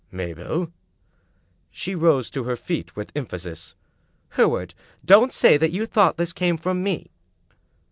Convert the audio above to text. "Mabel!" She rose to her feet with emphasis. " Hereward, don't say that you thought this came from me!"